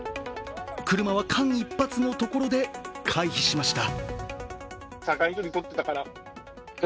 車は間一髪のところで回避しました。